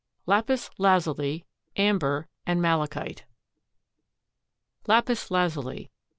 LAPIS LAZULI, AMBER AND MALICHITE. LAPIS LAZULI.